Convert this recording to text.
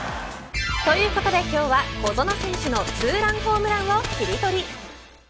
ということで今日は小園選手のツーランホームランをキリトリ。